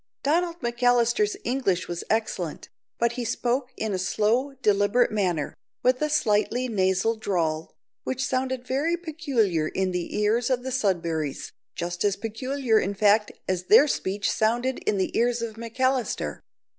Donald McAllister's English was excellent, but he spoke in a slow, deliberate manner, and with a slightly nasal drawl, which sounded very peculiar in the ears of the Sudberrys, just as peculiar, in fact, as their speech sounded in the ears of McAllister.